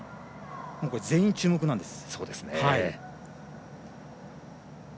全員注目なんです。